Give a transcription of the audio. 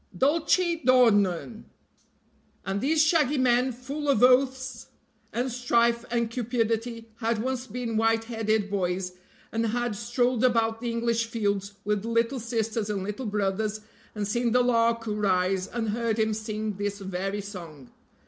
Dulce dornurn! And these shaggy men, full of oaths and strife and cupidity, had once been white headed boys, and had strolled about the English fields with little sisters and little brothers, and seen the lark rise, and heard him sing this very song.